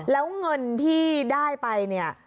แล้วเงินที่ได้ไป